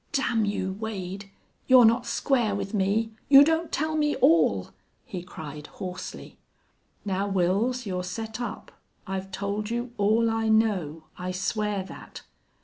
"Damn you, Wade! You're not square with me! You don't tell me all!" he cried, hoarsely. "Now, Wils, you're set up. I've told you all I know. I swear that."